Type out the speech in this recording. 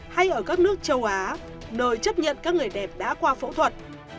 hay ở các nước châu á nơi chấp nhận các người đẹp đã qua phẫu thuật